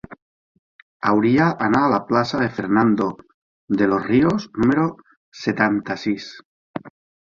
Hauria d'anar a la plaça de Fernando de los Ríos número setanta-sis.